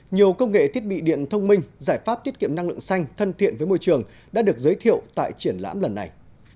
nhiều công nghệ thiết bị điện thông minh giải pháp tiết kiệm năng lượng xanh thân thiện với môi trường đã được giới thiệu tại triển lãm lần này